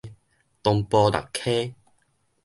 東埔蚋溪